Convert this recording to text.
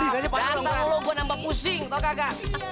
ganteng lo gue nambah pusing tau kagak